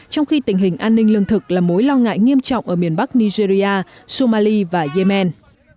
trong khi tình hình an ninh lương thực là mối lo ngại nghiêm trọng ở miền bắc nigeria somali và yemen